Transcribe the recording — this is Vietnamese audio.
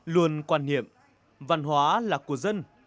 luôn quan niệm văn hóa là của dân